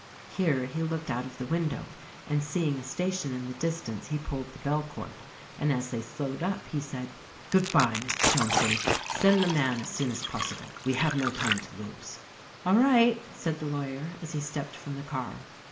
Here he looked out of the window and seeing a station in the distance he pulled the bell cord, and as they slowed up he said, "Good bye, Mr. Johnson; send the man as soon as possible. We have no time to lose." "All right," said the lawyer as he stepped from the car.